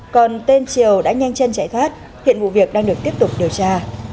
còn tên triều đã nhanh chân chạy thoát hiện vụ việc đang được tiếp tục điều tra